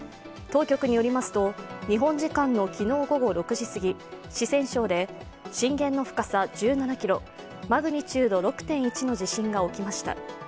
当局によりますと、日本時間の昨日午後６時すぎ四川省で震源の深さ１７ｋｍ、マグニチュード６．１の地震が起きました。